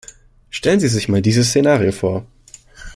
Stellen Sie sich mal dieses Szenario vor!